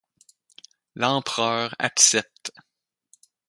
L'empereur accepte.